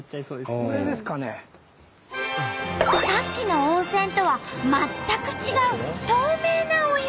さっきの温泉とは全く違う透明なお湯。